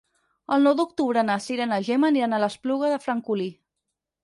El nou d'octubre na Cira i na Gemma aniran a l'Espluga de Francolí.